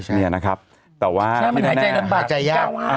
ใช่มันหายใจลำบากใจยาก